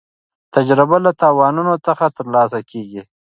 تجربه له تاوانونو څخه ترلاسه کېږي.